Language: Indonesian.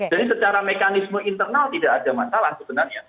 jadi secara mekanisme internal tidak ada masalah sebenarnya